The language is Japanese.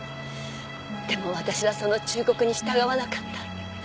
でも私はその忠告に従わなかった。